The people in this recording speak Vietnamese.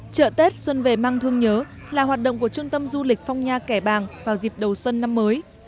chợ tết xuân về mang thương nhớ là hoạt động của trung tâm du lịch phong nha kẻ bàng vào dịp đầu xuân năm mới